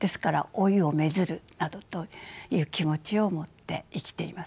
「老いを愛づる」などという気持ちを持って生きています。